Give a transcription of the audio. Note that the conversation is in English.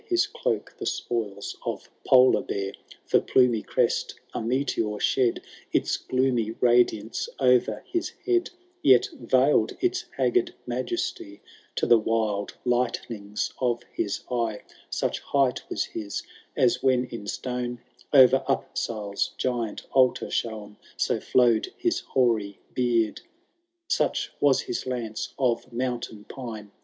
His cloak the spoils of Polar bear ; For plumy crest a meteor shed Its gloomy radiance o*er his head, Yet veiled its haggard majesty To the wild lightnings of his eye. Such height was his, as when in stene 0*er Upsal^s giant altar shown : So flowed his hoary beard ; 192 HAROLD THE DAUNTLB68. Cbllto F7. Such was his lance of mountain pine.